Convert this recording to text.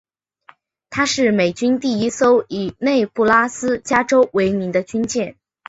她是美军第一艘以内布拉斯加州为名的军舰。